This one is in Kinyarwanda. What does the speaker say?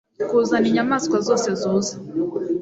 kuzana inyamaswa zose zuza